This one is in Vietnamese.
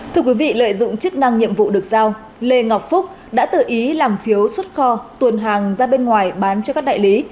thưa quý vị lợi dụng chức năng nhiệm vụ được giao lê ngọc phúc đã tự ý làm phiếu xuất kho tuần hàng ra bên ngoài bán cho các đại lý